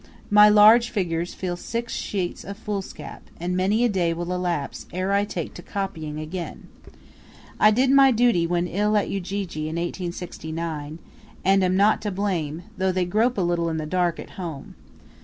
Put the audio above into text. My large figures fill six sheets of foolscap, and many a day will elapse ere I take to copying again. I did my duty when ill at Ujiji in 1869, and am not to blame, though they grope a little in the dark at home.